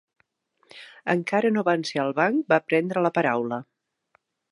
Encare no van ser al banc va prendre la paraula